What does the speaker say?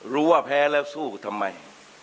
ว่าแพ้แล้วสู้ทำไม